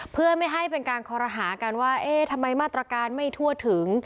เพื่อไม่ให้เป็นการคอรหากันว่าเอ๊ะทำไมมาตรการไม่ทั่วถึง